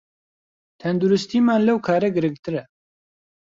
تەندروستیمان لەو کارە گرنگترە